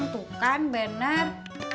tuh kan bener